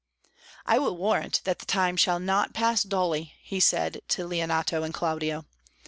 "I will warrant that the time shall not pass dully," he said to Leonato and Claudio.